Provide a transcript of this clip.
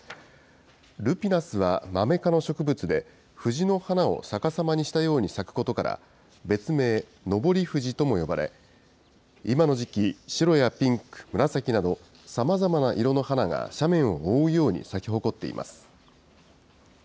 ルピナスはマメ科の植物で、藤の花を逆さまにしたように咲くことから、別名、昇り藤とも呼ばれ、今の時期、白やピンク、紫など、さまざまな色の花が斜面を覆うように咲き誇っています。